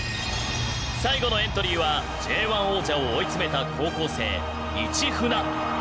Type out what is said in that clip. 最後のエントリーはＪ１王者を追い詰めた高校生市船。